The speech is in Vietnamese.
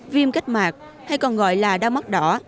viêm cách mạc hay còn gọi là đau mắt đỏ